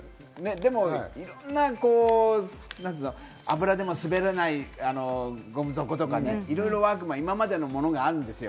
でもいろんな油でも滑らないゴム底とか、いろいろワークマン、今までのものがあるんですよ。